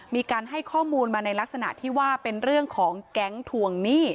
มีการให้ข้อมูลมาในลักษณะที่ว่าเป็นเรื่องของแก๊งทวงหนี้